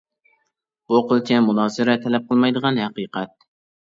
بۇ قىلچە مۇنازىرە تەلەپ قىلمايدىغان ھەقىقەت.